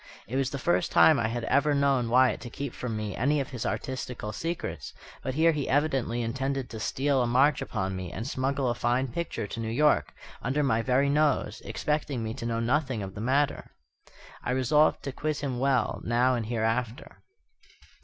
It was the first time I had ever known Wyatt to keep from me any of his artistical secrets; but here he evidently intended to steal a march upon me and smuggle a fine picture to New York, under my very nose; expecting me to know nothing of the matter. I resolved to quiz him well, now and hereafter.